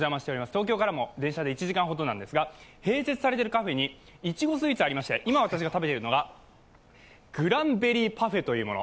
東京からも電車で１時間ほどなんですが、併設されているカフェにいちごスイーツがありまして、今私が食べているのがグランベリーパフェというもの。